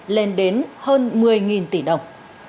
lên đến hơn một mươi tỷ đồng